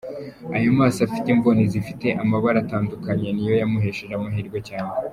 Aya maso afite imboni zifite amabara atandukanye ni yo yamuhesheje amahirwe cyane.